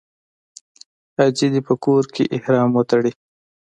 حاجي دې په کور کې احرام وتړي.